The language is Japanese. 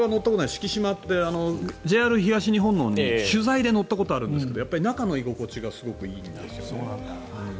四季島ってＪＲ東日本の取材で乗ったことがあるんですけど中の居心地ってすごくいいんですよね。